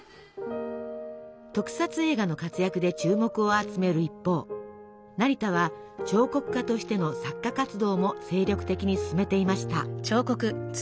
特撮映画の活躍で注目を集める一方成田は彫刻家としての作家活動も精力的に進めていました。